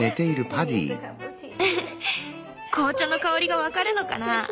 紅茶の香りが分かるのかな。